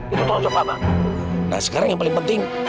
itu tahu jambah bang nah sekarang yang paling penting